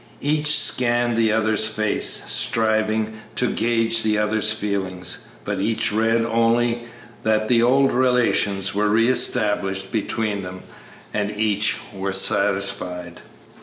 Each scanned the other's face, striving to gauge the other's feelings, but each read only that the old relations were re established between them, and each was satisfied.